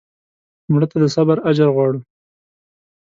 مړه ته د صبر اجر غواړو